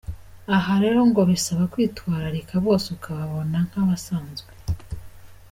Aha rero ngo bisaba kwitwararika bose ukababona nk’abasanzwe.